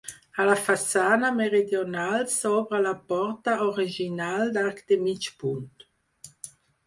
A la façana meridional s'obre la porta original d'arc de mig punt.